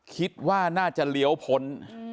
คิดว่าน่าจะเลี้ยวพ้น